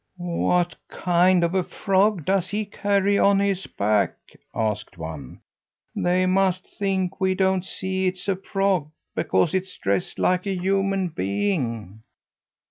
"What kind of a frog does he carry on his back?" asked one. "They must think we don't see it's a frog because it is dressed like a human being."